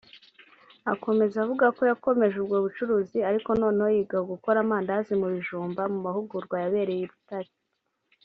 Akomeza avuga ko yakomeje ubwo bucuruzi ariko noneho yiga gukora amandazi mu bijumba mu mahugurwa yabereye i Butare